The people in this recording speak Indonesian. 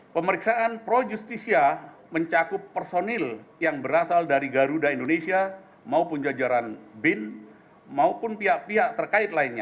pemeriksaan pro justisia mencakup personil yang berasal dari garuda indonesia maupun jajaran bin maupun pihak pihak terkait lainnya